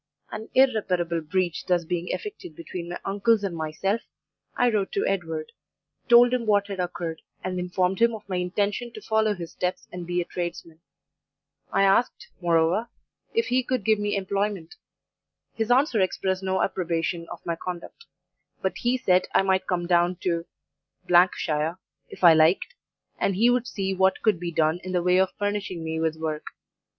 "An irreparable breach thus being effected between my uncles and myself, I wrote to Edward; told him what had occurred, and informed him of my intention to follow his steps and be a tradesman. I asked, moreover, if he could give me employment. His answer expressed no approbation of my conduct, but he said I might come down to shire, if I liked, and he would 'see what could be done in the way of furnishing me with work.